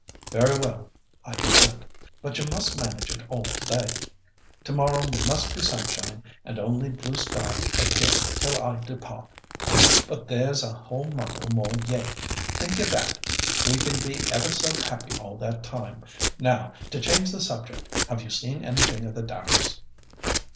"Very well, I consent. But you must manage it all to day. To morrow must be sunshine, and only blue sky appear till I depart. But there's a whole month or more yet. Think of that! We can be ever so happy all that time. Now, to change the subject. Have you seen anything of the Dacres?"